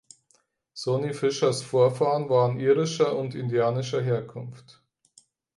Sonny Fishers Vorfahren waren irischer und indianischer Herkunft.